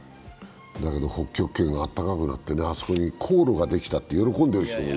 北極圏があったかくなって、あそこに航路ができたって喜んでいる人もいる。